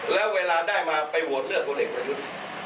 แล้วเวลาได้มาไปโหวตเลือกพลเอกประยุทธ์